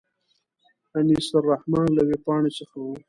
انیس الرحمن له وېبپاڼې څخه و.